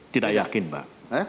tidak yakin pak